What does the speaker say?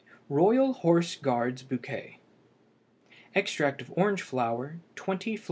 ROYAL HORSE GUARD'S BOUQUET. Extract of orange flower 20 fl.